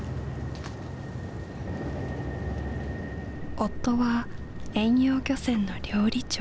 夫は遠洋漁船の料理長。